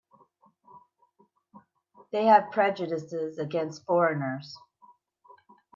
They have prejudices against foreigners.